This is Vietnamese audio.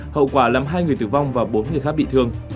hậu quả làm hai người tử vong và bốn người khác bị thương